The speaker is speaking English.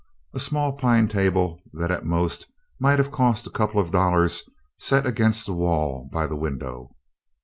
A small pine table that at most might have cost a couple of dollars set against the wall by the window.